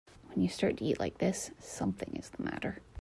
When you start to eat like this something is the matter.